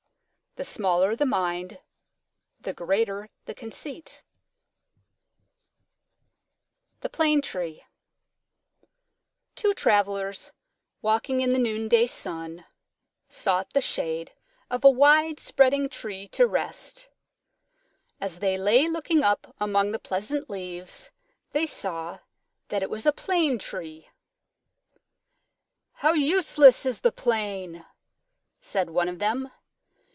_ The smaller the mind the greater the conceit. THE PLANE TREE Two Travellers, walking in the noonday sun, sought the shade of a widespreading tree to rest. As they lay looking up among the pleasant leaves, they saw that it was a Plane Tree. "How useless is the Plane!" said one of them.